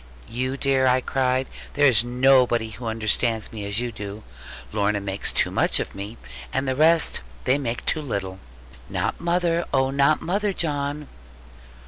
'You dear,' I cried, 'there is nobody who understands me as you do. Lorna makes too much of me, and the rest they make too little.' 'Not mother; oh, not mother, John!'